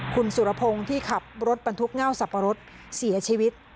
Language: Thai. คุณสุรพงศ์ที่ขับรถบรรทุกเง่าสับปะรดเสียชีวิต